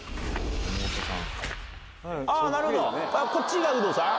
あー、なるほど、こっちが有働さん？